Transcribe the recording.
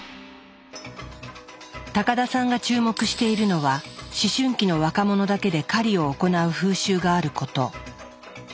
高田さんが注目しているのは思春期の若者だけで狩りを行う風習があること。